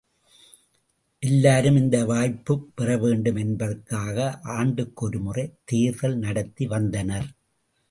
எல்லாரும் இந்த வாய்ப்புப் பெறவேண்டும் என்பதற்காக ஆண்டுக் கொருமுறை தேர்தல் நடத்தி வந்தனர்.